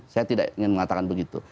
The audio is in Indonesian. saya tidak ingin mengatakan begitu